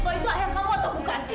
kalau itu ayah kamu atau bukan